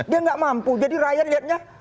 dia gak mampu jadi rakyat liatnya